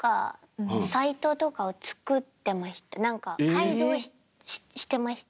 改造してました。